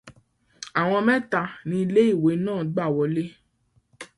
Àwọn mẹ́ta ni ilé ìwé náà gbà wọlé.